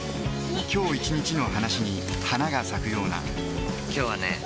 今日一日の話に花が咲くような今日はね